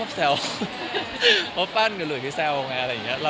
มันก็ยังไม่มีอะ